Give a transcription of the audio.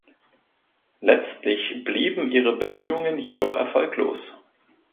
Letztlich blieben ihre Bemühungen jedoch erfolglos.